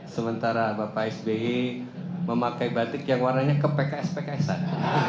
sementara bapak sby memakai batik yang warnanya ke pks pksan